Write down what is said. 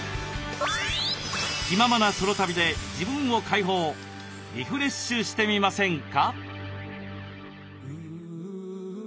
気ままなソロ旅で自分を解放リフレッシュしてみませんか？